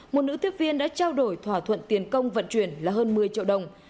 một nữ tiếp viên đã trao đổi thỏa thuận tiền công vận chuyển là hơn một mươi triệu đồng